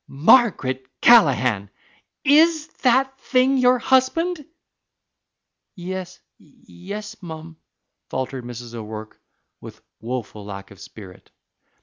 "Margaret Callaghan, is that thing your husband?" "Ye yes, mum," faltered Mrs. O'Rourke, with a woful lack of spirit.